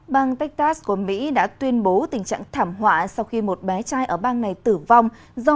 bang texas của mỹ đã tuyên bố tình trạng thảm họa sau khi một bé trai ở bang này tử vong do